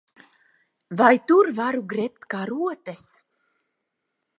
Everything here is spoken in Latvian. Vai tur varu grebt karotes?